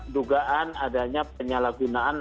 dugaan adanya penyalahgunaan